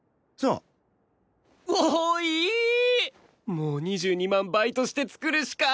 もう２２万バイトして作るしか